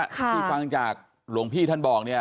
คือฟังจากหลวงพี่ท่านบอก